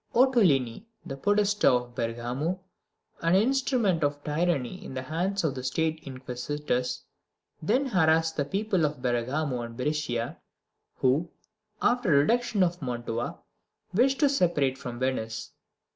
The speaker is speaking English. Ottolini, the Podesta of Bergamo, an instrument of tyranny in the hands of the State inquisitors, then harassed the people of Bergamo and Brescia, who, after the reduction of Mantua, wished to be separated from Venice.